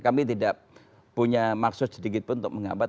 kami tidak punya maksud sedikit pun untuk menghambat